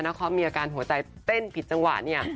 คอมมีอาการหัวใจเต้นผิดจังหวะเนี่ย